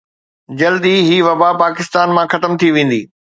جلد ئي هي وبا پاڪستان مان ختم ٿي ويندي